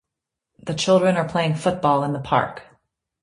The children are playing football in the park.